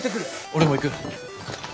俺も行く。